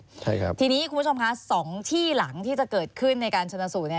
ใช่ครับทีนี้คุณผู้ชมคะสองที่หลังที่จะเกิดขึ้นในการชนสูตรเนี่ย